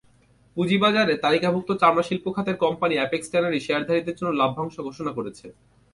পুঁজিবাজারে তালিকাভুক্ত চামড়াশিল্প খাতের কোম্পানি অ্যাপেক্স ট্যানারি শেয়ারধারীদের জন্য লভ্যাংশ ঘোষণা করেছে।